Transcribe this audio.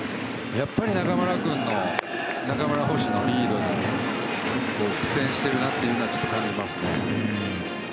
やっぱり中村捕手のリードに苦戦しているなというのはちょっと感じますね。